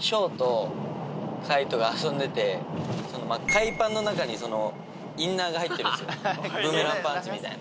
海パンの中にインナーが入ってるブーメランパンツみたいな。